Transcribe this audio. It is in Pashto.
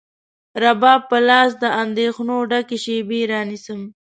رباب په لاس، د اندېښنو ډکې شیبې رانیسم